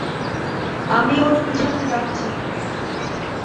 আমি ওর পেছনে যাচ্ছি।